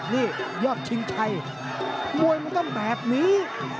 นี่ยอดชิงชัยมวยมันต้องแบบนี้